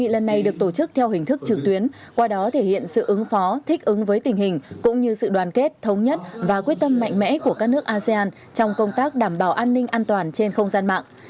lần này được tổ chức theo hình thức trực tuyến qua đó thể hiện sự ứng phó thích ứng với tình hình cũng như sự đoàn kết thống nhất và quyết tâm mạnh mẽ của các nước asean trong công tác đảm bảo an ninh an toàn trên không gian mạng